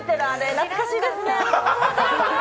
懐かしいですね。